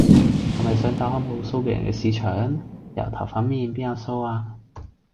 係咪想打開無鬚嘅人嘅巿場？油頭粉面，邊有鬚呀？